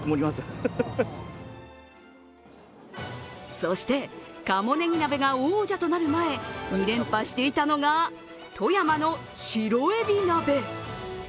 そして、鴨ねぎ鍋が王者となる前２連覇していたのが富山の白えび鍋。